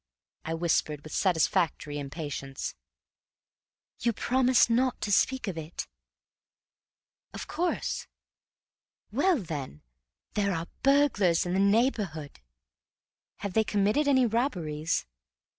I whispered with satisfactory impatience. "You promise not to speak of it?" "Of course!" "Well, then, there are burglars in the neighborhood." "Have they committed any robberies?"